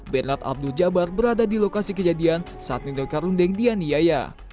bernard abdul jabar berada di lokasi kejadian saat nino karundeng dianiaya